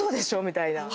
⁉みたいな。